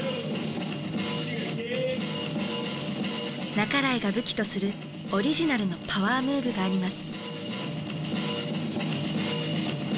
半井が武器とするオリジナルのパワームーブがあります。